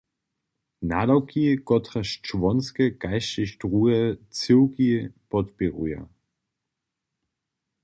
Nadawki, kotrež čłonske kaž tež druhe cyłki podpěruja.